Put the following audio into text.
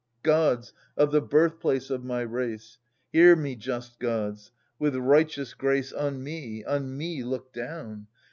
* Gods of the birfehplaec of my race, '' Hear me, just gods ! With righteous grace On me, on me look down